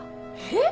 え？